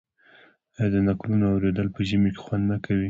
آیا د نکلونو اوریدل په ژمي کې خوند نه کوي؟